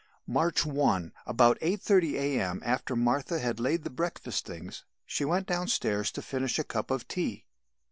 "March 1. About 8.30 A.M. after Martha had laid the breakfast things she went downstairs to finish a cup of tea.